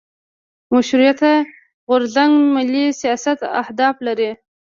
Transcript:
مشروطیت غورځنګ ملي سیاست اهداف لرل.